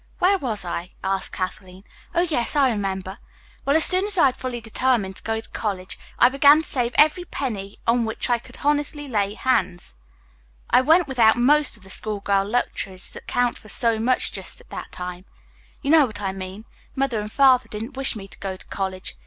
"Where was I?" asked Kathleen. "Oh, yes, I remember. Well, as soon as I had fully determined to go to college, I began to save every penny on which I could honestly lay hands. I went without most of the school girl luxuries that count for so much just at that time. You girls know what I mean. Mother and Father didn't wish me to go to college.